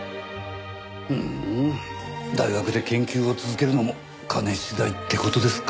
ふーん大学で研究を続けるのも金次第って事ですか。